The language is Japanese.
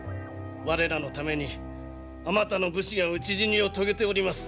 我らのためにあまたの武士が討ち死にを遂げております。